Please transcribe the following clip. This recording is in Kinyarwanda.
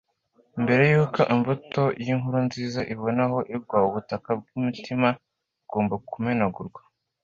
Mbere yuko imbuto y'inkuru nziza ibona aho igwa, ubutaka bw'umutima bugomba kumenagurwa.